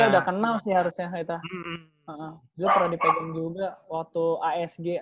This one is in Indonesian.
iya udah kenal sih harusnya dia pernah dipegang juga waktu asg dua ribu dua belas